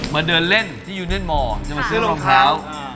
มาเดินเล่นที่ยูเนียนมอร์จะมาซื้อรองเท้า